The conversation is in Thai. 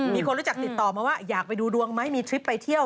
มีคนรู้จักติดต่อมาว่าอยากไปดูดวงไหมมีทริปไปเที่ยว